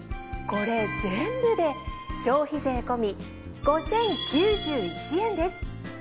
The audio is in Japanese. これ全部で消費税込み５，０９１円です。